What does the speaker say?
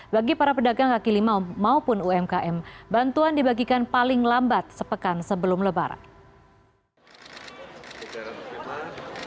bagi para pedagang kaki lima maupun umkm bantuan dibagikan paling lambat sepekan sebelum lebaran